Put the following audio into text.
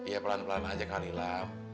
ya pelan pelan aja kalilam